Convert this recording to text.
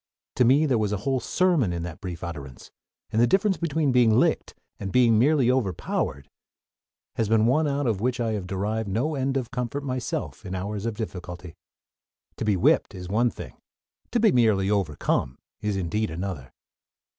To me there was a whole sermon in that brief utterance, and the difference between being "licked" and being "merely overpowered" has been one out of which I have derived no end of comfort myself in hours of difficulty. To be whipped is one thing; to be merely overcome is indeed another!